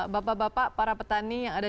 bapak bapak para petani yang ada